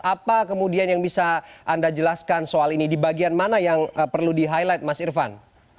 apa kemudian yang bisa anda jelaskan soal ini di bagian mana yang perlu di highlight mas irvan